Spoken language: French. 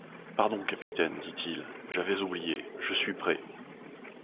Pardon, capitaine, dit-il, j’avais oublié... je suis prêt...